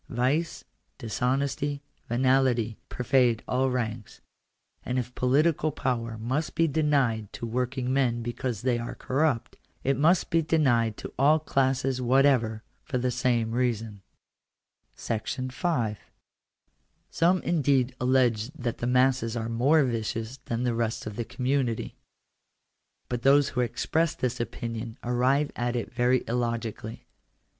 Vice, dishonesty, venality, pervade all ranks ; and if political power must be denied to working men because they are corrupt, it must be denied to all classes whatever for the same reason. Digitized by VjOOQIC THE CONSTITUTION OF THE STATE. 225 § 5. Some indeed allege that the masses are more vicious than the rest of the community. But those who express this opinion arrive at it very illogical ly.